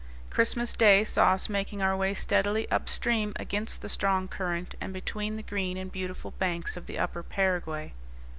Christmas Day saw us making our way steadily up stream against the strong current, and between the green and beautiful banks of the upper Paraguay.